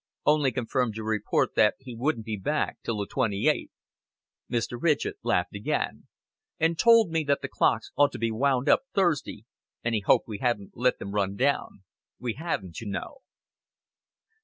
"Only confirmed your report that he wouldn't be back till the twenty eighth." Mr. Ridgett laughed again. "And told me that the clocks ought to be wound up Thursday, and he hoped we hadn't let them run down. We hadn't, you know."